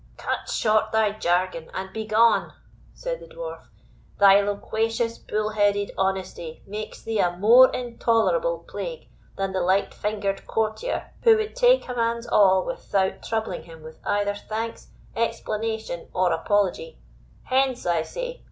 "Cut short thy jargon, and begone," said the Dwarf; "thy loquacious bull headed honesty makes thee a more intolerable plague than the light fingered courtier who would take a man's all without troubling him with either thanks, explanation, or apology. Hence, I say!